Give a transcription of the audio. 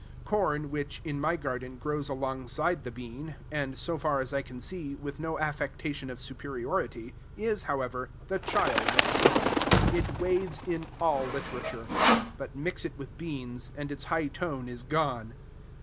Corn, which, in my garden, grows alongside the bean, and, so far as I can see, with no affectation of superiority, is, however, the child of song. It waves in all literature. But mix it with beans, and its high tone is gone.